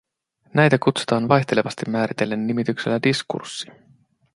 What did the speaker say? Näitä kutsutaan vaihtelevasti määritellen nimityksellä diskurssi